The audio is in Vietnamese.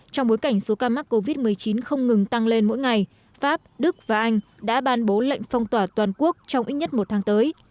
trong bối cảnh số ca mắc covid một mươi chín không ngừng tăng lên mỗi ngày pháp đức và anh đã ban bố lệnh phong tỏa toàn quốc trong ít nhất một tháng tới